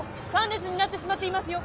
３列になってしまっていますよ！